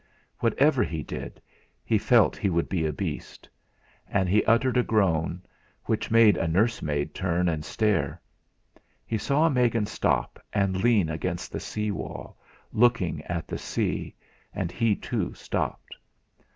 Whatever he did, he felt he would be a beast. And he uttered a groan which made a nursemaid turn and stare. He saw Megan stop and lean against the sea wall, looking at the sea; and he too stopped.